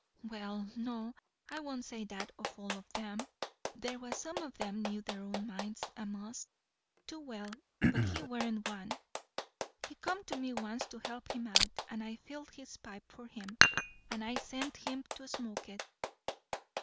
"Well, no, I won't say that of all of 'em. There was some of 'em knew their own minds a'most too well; but he warn't one. He come to me once to help him out; and I filled his pipe for him, and sent him to smoke it."